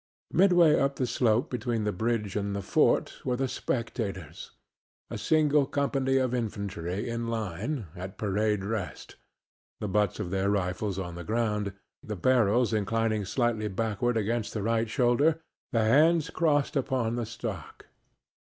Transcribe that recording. Mid way of the slope between bridge and fort were the spectators a single company of infantry in line, at "parade rest," the butts of the rifles on the ground, the barrels inclining slightly backward against the right shoulder, the hands crossed upon the stock.